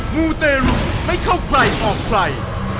มูเตรุไม่เข้าใครออกใคร